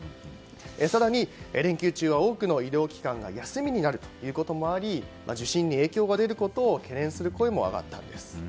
更に、連休中は多くの医療機関が休みになることもあり受診に影響が出ることを懸念する声も上がったんです。